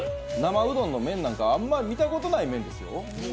生うどんの麺なんかあんま見たことない麺ですよ。